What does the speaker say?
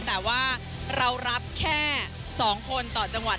แต่ว่าเรารับแค่๒คนต่อจังหวัด